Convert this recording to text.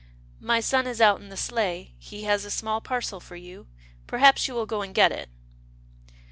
My son is out in the sleigh. He has a small parcel for you. Perhaps you will go and get it."